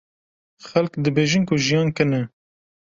Xelk dibêjin ku jiyan kin e.